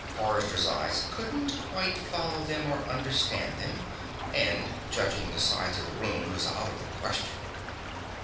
Forrester's eyes couldn't quite follow them or understand them, and judging the size of the room was out of the question.